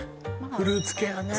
フルーツ系はね